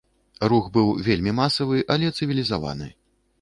Рух быў вельмі масавы, але цывілізаваны.